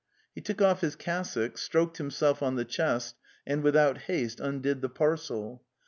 "' He took off his cassock, stroked himself on the chest, and without haste undid the parcel.